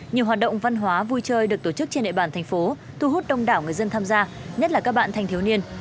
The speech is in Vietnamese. nhiều hoạt động văn hóa vui chơi được tổ chức trên địa bàn thành phố thu hút đông đảo người dân tham gia nhất là các bạn thanh thiếu niên